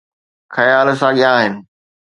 خيال ساڳيا آهن.